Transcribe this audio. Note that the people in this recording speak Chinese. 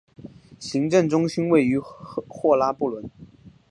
行政中心位于霍拉布伦。